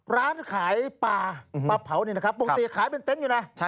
ร้านขายปลาเพราะปกติขายเป็นเต้นอยู่น่ะ